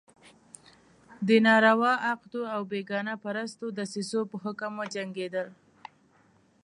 د ناروا عقدو او بېګانه پرستو دسیسو په حکم وجنګېدل.